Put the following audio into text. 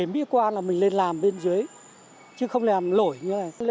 mỹ quan là mình lên làm bên dưới chứ không làm lỗi như thế này